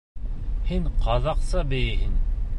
Һин ҡаҙаҡса бейейһең.